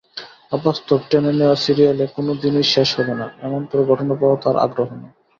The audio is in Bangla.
অবাস্তব—টেনে নেওয়া সিরিয়ালে, কোনো দিনই শেষ হবে না—এমনতর ঘটনাপ্রবাহে তাঁর আগ্রহ নেই।